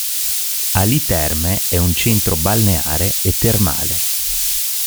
Alì Terme è un centro balneare e termale.